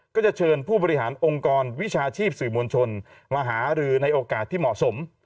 ก็จะเชิญผู้บริหารองค์กรวิชาชีพสื่อมวลชนมาหารือในโอกาสที่เหมาะสม